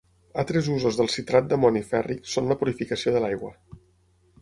Altres usos del citrat d'amoni fèrric són la purificació de l'aigua.